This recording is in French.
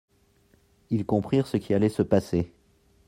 Ils comprirent ce qui allait se passer.